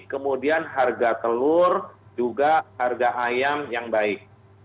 kemudian harga telur juga harga ayam yang baik